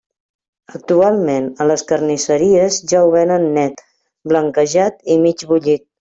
Actualment a les carnisseries ja ho venen net, blanquejat i mig bullit.